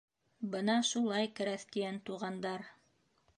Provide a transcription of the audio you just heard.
—...Бына шулай, крәҫтиән туғандар.